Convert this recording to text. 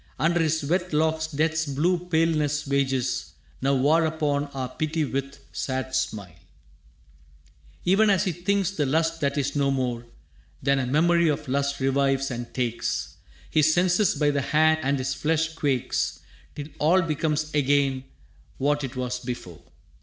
Under his wet locks Death's blue paleness wages Now war upon our pity with sad smile». Even as he thinks, the lust that is no more Than a memory of lust revives and takes His senses by the hand, and his flesh quakes Till all becomes again what 'twas before.